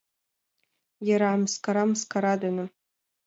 — Йӧра, мыскара мыскара дене.